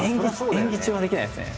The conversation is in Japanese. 演技中はできないですね